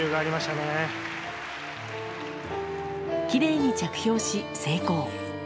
きれいに着氷し、成功。